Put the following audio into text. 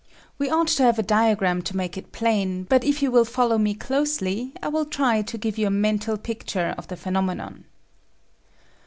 We ought to have a diagram to make it plain, but if you will follow me closely I will try to give you a mental picture of the phenomenon.